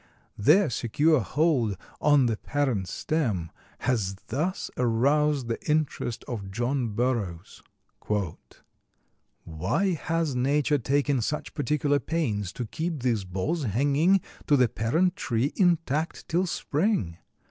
Their secure hold on the parent stem has thus aroused the interest of John Burroughs: "Why has Nature taken such particular pains to keep these balls hanging to the parent tree intact till spring?